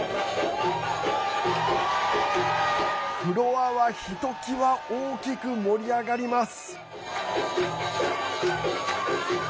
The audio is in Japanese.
フロアはひときわ大きく盛り上がります。